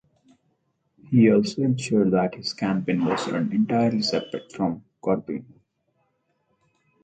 He also ensured that his campaign was run entirely separate from Corbyn.